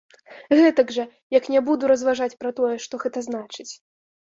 Гэтак жа, як не буду разважаць пра тое, што гэта значыць.